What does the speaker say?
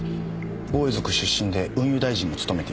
防衛族出身で運輸大臣も務めています。